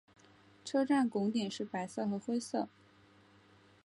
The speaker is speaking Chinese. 车站拱顶是白色和灰色。